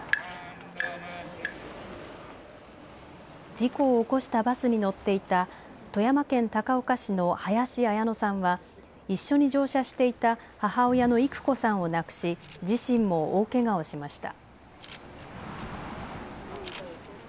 事故を起こしたバスに乗っていた富山県高岡市の林彩乃さんは一緒に乗車していた母親の郁子さんを亡くし自身も大けがをしました。